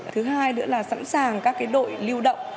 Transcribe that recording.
thứ hai nữa là sẵn sàng các đội lưu động